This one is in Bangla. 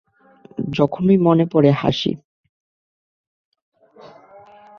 যখনই মনে পরে হাঁসি।